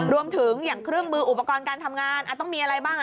รวมถึงอย่างเครื่องมืออุปกรณ์การทำงานต้องมีอะไรบ้าง